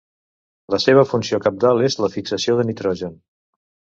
La seva funció cabdal és la fixació de nitrogen.